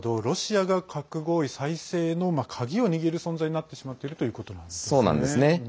ロシアが核合意再生の鍵を握る存在になってしまってるということなんですね。